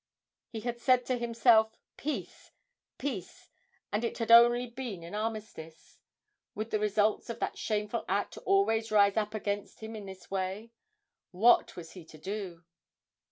He had said to himself, 'Peace, peace!' and it had only been an armistice. Would the results of that shameful act always rise up against him in this way? What was he to do?